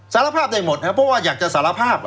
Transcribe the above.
สารภาพได้หมดครับเพราะว่าอยากจะสารภาพ